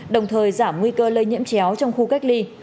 đồng thời giảm nguy cơ lây nhiễm chéo trong khu cách ly